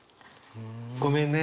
ごめんね。